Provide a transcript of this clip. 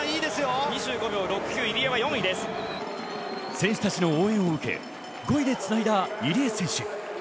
選手たちの応援を受け、５位でつないだ入江選手。